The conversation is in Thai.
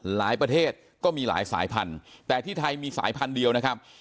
ประเทศก็มีหลายสายพันธุ์แต่ที่ไทยมีสายพันธุ์เดียวนะครับ